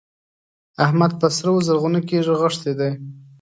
احمد په سره و زرغونه کې رغښتی دی.